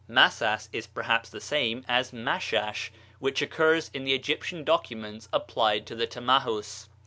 Masas is perhaps the same as Mashash, which occurs in the Egyptian documents applied to the Tamahus.